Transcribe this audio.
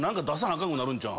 かんくなるんちゃう？